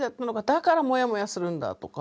だからモヤモヤするんだ」とか